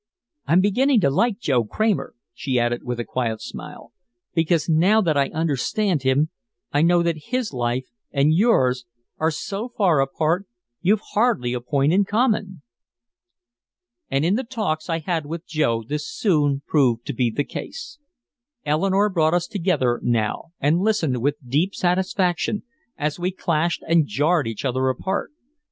I'm beginning to like Joe Kramer," she added with a quiet smile, "because now that I understand him I know that his life and yours are so far apart you've hardly a point in common." And in the talks I had with Joe this soon proved to be the case. Eleanore brought us together now and listened with deep satisfaction as we clashed and jarred each other apart.